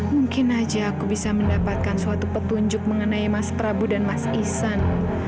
mungkin aja aku bisa mendapatkan suatu petunjuk mengenai mas prabu dan mas isan